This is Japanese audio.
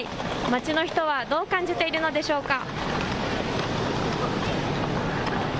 街の人はどう感じているのでしょうか。